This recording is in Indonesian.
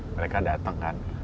mereka datang kan